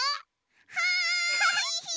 はい！